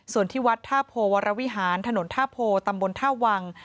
ส่วนที่วัดท่าโพวรวิหารถนนท่าโพตำบลท่าวัง